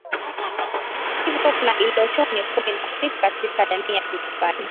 hivyo kuna Iloshoni kumi na sita katika jamii ya kimasai